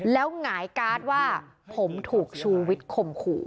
แล้วหงายการ์ดว่าผมถูกชูวิทย์ข่มขู่